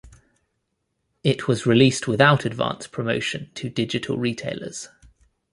It was released without advance promotion to digital retailers.